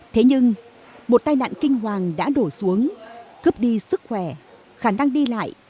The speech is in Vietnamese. thế nhưng một tai nạn kinh hoàng đã đổ xuống cướp đi sức khỏe khả năng đi lại